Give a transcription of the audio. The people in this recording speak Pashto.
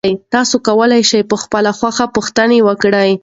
تاسي کولای شئ په خپله خوښه پوښتنه وکړئ.